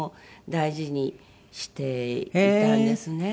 大事にしていたんですね。